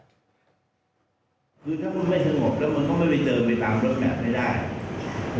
คือถ้าพวกมันไม่สงบแล้วมันต้องไปเจอไปตามรถแมพได้ได้